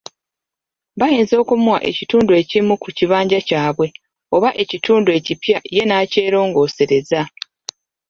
Bayinza okumuwa ekitundu ekimu ku kibanja kyabwe, oba ekitundu ekipya ye n'akyeroongooseza.